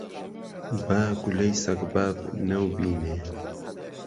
با گولهی سهگباب نهوبینێ